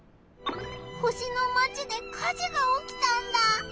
星のマチで火事がおきたんだ。